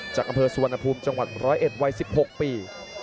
จากกำเภอสุวรรณภูมิจังหวัดร้อยเอ็ดวัย๑๖ปี